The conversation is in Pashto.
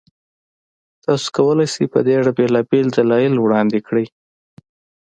تاسو کولای شئ، په دې اړه بېلابېل دلایل وړاندې کړئ.